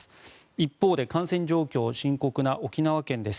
一方で感染状況が深刻な沖縄県です。